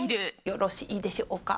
よ、ろ、し、い、でしょ、う、か。